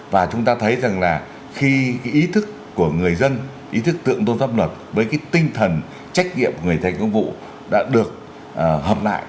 và chúng ta thấy rằng là khi ý thức của người dân ý thức tượng tôn pháp luật với cái tinh thần trách nhiệm người thành công vụ đã được hợp lại